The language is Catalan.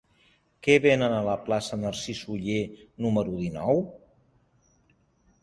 Què venen a la plaça de Narcís Oller número dinou?